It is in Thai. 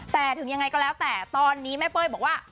แต่ถึงยังไงก็แล้วแต่ตอนนี้แม่เป้ยบอกว่า